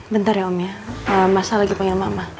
bentar ya om ya masa lagi pengen mama